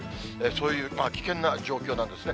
そういう危険な状況なんですね。